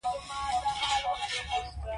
راشئ مړې وخورئ.